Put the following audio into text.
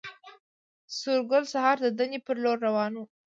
سورګل سهار د دندې پر لور روان و